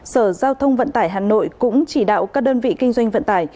sở giao thông vận tải hà nội cũng chỉ đạo các đơn vị kinh doanh vận tải